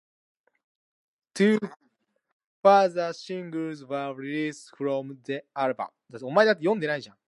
Two further singles were released from the album.